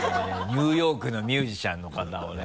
ニューヨークのミュージシャンの方をね。